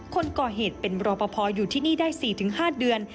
คนก่อเหตุเป็นรอปภอยู่ที่นี่ได้๔๕เดือน